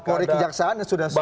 kapolri kejaksaan sudah setuju